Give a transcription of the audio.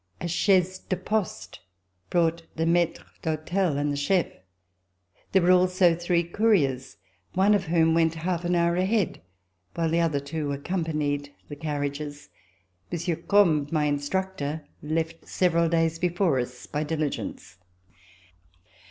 A chaise de poste brought the maitre d'hotel and the chef. There were also three couriers, one of whom went a half hour ahead, while the other two accompanied the carriages. Monsieur Combes, my instructor, left several days before us by diligence.